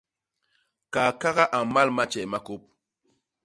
Kaakaga a mmal matjee ma kôp.